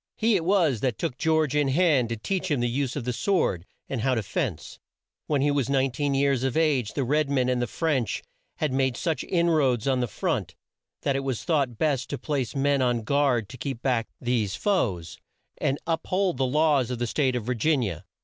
He it was that took George in hand to teach him the use of the sword, and how to fence. When he was 19 years of age the red men and the French had made such in roads on the front, that it was thought best to place men on guard to keep back these foes, and to up hold the laws of the state of Vir gin i a.